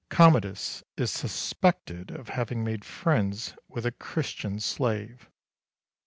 Commodus is suspected of having made friends with a Christian slave.